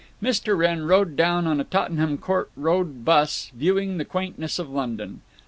Mr. Wrenn rode down on a Tottenham Court Road bus, viewing the quaintness of London.